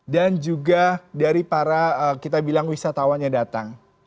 dan juga dari para kita bilang wisatawan yang datang